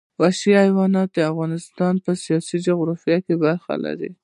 وحشي حیوانات د افغانستان د سیاسي جغرافیه برخه ده.